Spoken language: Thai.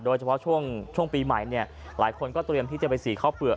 โดยเฉพาะช่วงปีใหม่เนี่ยหลายคนก็เตรียมที่จะไปสีข้าวเปลือก